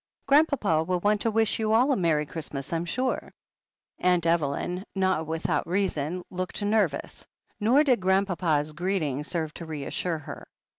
"Grandpapa will want to wish you all a Merry Christmas, I'm sure." Aunt Evelyn, not without reason, looked nervous, nor did Grandpapa's greeting serve to reassure her.